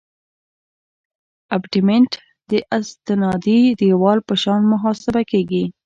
ابټمنټ د استنادي دیوال په شان محاسبه کیږي